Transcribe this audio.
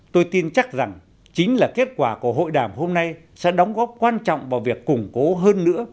tôi tin chắc rằng chính là kết quả của hội đàm hôm nay sẽ đóng góp quan trọng vào việc củng cố hơn nữa